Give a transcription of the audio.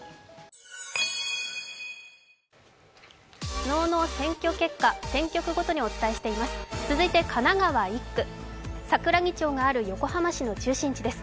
昨日の選挙結果、選挙区ごとにお伝えしています。